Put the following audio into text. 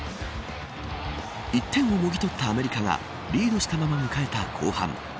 １点をもぎ取ったアメリカがリードしたまま迎えた後半。